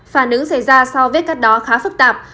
phản ứng xảy ra sau vết cắt đó khá phức tạp